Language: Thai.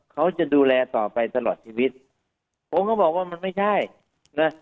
เขาจะดูแลต่อไปตลอดชีวิตผมก็บอกว่ามันไม่ใช่นะ